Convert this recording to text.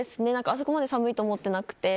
あそこまで寒いと思ってなくて。